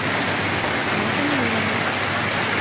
我鍾意啊